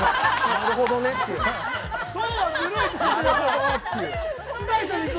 ◆なるほどねっていう。